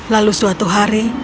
lalu suatu hari